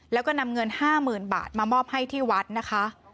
แล้วก็นำเงิน๕๐๐๐บาทมามอบให้ที่วัดนะคะ